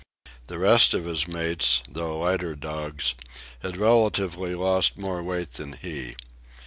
The rest of his mates, though lighter dogs, had relatively lost more weight than he.